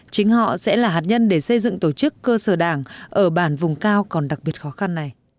chính họ sẽ là hạt nhân để xây dựng tổ chức cơ sở đảng ở bản vùng cao còn đặc biệt khó khăn này